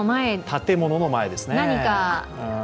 建物の前ですね。